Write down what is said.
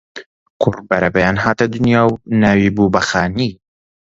کوڕ بەرەبەیان هاتە دنیا و ناوی بوو بە خانی